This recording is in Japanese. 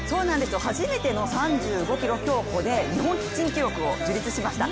初めての３５ｋｍ競歩で日本人記録を樹立しました。